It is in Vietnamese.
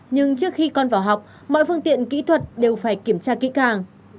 nhưng trước khi con vào học mọi phương tiện kỹ thuật đều phải kiểm tra kỹ càng